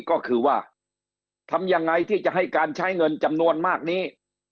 ก็คือว่าทำยังไงที่จะให้การใช้เงินจำนวนมากนี้